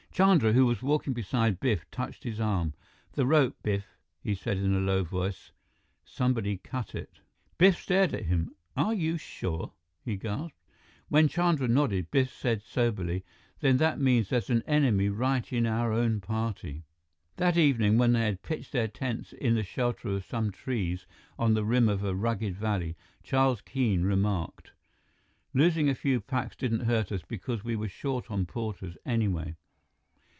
Chandra, who was walking beside Biff, touched his arm. "The rope, Biff," he said in a low voice. "Somebody cut it!" Biff stared at him. "Are you sure?" he gasped. When Chandra nodded, Biff said soberly, "Then that means there's an enemy right in our own party." That evening, when they pitched their tents in the shelter of some trees on the rim of a rugged valley, Charles Keene remarked: "Losing a few packs didn't hurt us, because we were short on porters anyway."